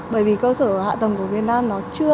bởi vì cơ sở hạ tầng của việt nam nó chưa